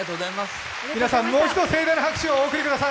皆さん、もう一度盛大な拍手をお送りください。